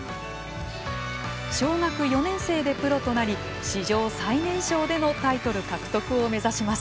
小学４年生でプロとなり史上最年少でのタイトル獲得を目指します。